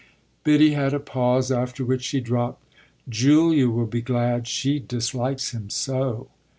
Biddy had a pause, after which she dropped: "Julia will be glad she dislikes him so."